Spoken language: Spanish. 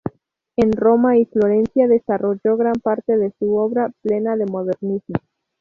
En Roma y Florencia desarrolló gran parte de su obra, plena de modernismo.